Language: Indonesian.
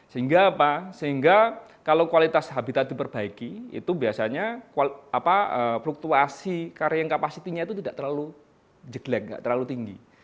sehingga kalau kualitas habitat diperbaiki itu biasanya fluktuasi carrying capacity nya itu tidak terlalu jeglek tidak terlalu tinggi